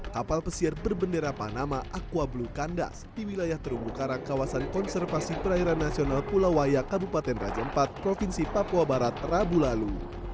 kapal pesiar berbendera panama aqua blue kandas di wilayah terumbu karang kawasan konservasi perairan nasional pulau waya kabupaten raja empat provinsi papua barat rabu lalu